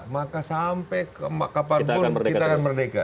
maka sampai kemaka pun kita akan merdeka